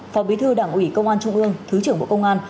phó bí thư đảng ủy công an trung ương thứ trưởng bộ công an